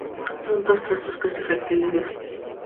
Son dos trazos casi rectilíneos.